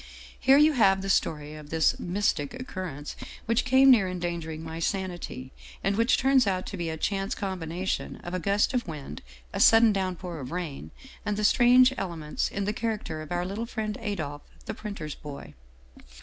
Here you have the story of this ' mystic ' occur rence, which came near endangering my sanity, and which turns out to be a chance combination of a gust of wind, a sudden downpour of rain, and the strange elements in the character of our little friend Adolphe the printer's boy.